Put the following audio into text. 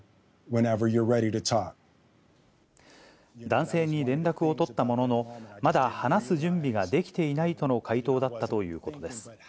男性に連絡を取ったものの、まだ話す準備ができていないとの回答だったということです。